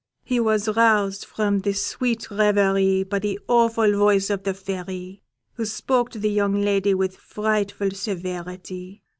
He was roused from this sweet reverie by the awful voice of the Fairy, who spoke to the young lady with frightful severity.